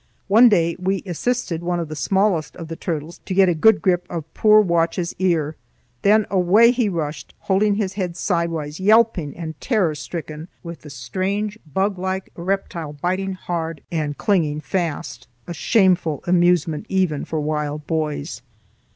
One day we assisted one of the smallest of the turtles to get a good grip of poor Watch's ear. Then away he rushed, holding his head sidewise, yelping and terror stricken, with the strange buglike reptile biting hard and clinging fast,—a shameful amusement even for wild boys.